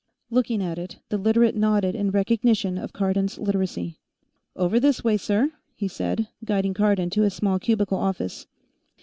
_ Looking at it, the Literate nodded in recognition of Cardon's Literacy. "Over this way, sir," he said, guiding Cardon to his small cubicle office.